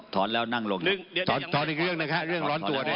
ถอนแล้วนั่งลงถอนอีกเรื่องนะครับเรื่องร้อนตัวด้วย